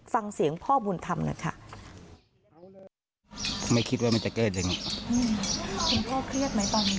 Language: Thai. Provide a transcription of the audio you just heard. ฟังเสียงพ่อบุญธรรมเลยค่ะไม่คิดว่ามันจะเกล็ดอย่างงี้คุณพ่อเครียดไหมตอนนี้